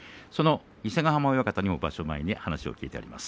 伊勢ヶ濱親方にも話を聞いています。